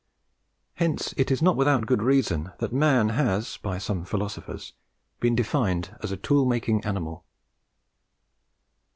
Hence it is not without good reason that man has by some philosophers been defined as A TOOL MAKING ANIMAL.